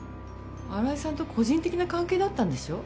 新井さんと個人的な関係だったんでしょ？